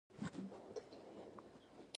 اوړه د روتۍ لپاره ضروري دي